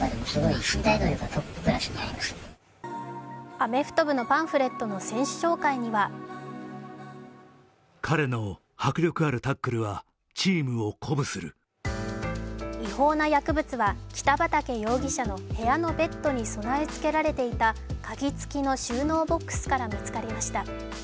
アメフト部のパンフレットの選手紹介には違法な薬物は北畠容疑者の部屋のベッドに備え付けられていた鍵付きの収納ボックスから見つかりました。